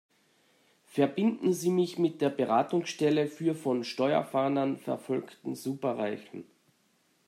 Verbinden Sie mich mit der Beratungsstelle für von Steuerfahndern verfolgten Superreichen!